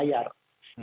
ini akan mempercepat